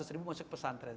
seratus ribu masuk pesantren